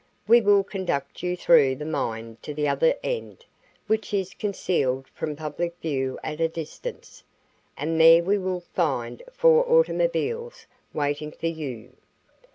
We will conduct you through the mine to the other end, which is concealed from public view at a distance, and there we will find four automobiles waiting for you.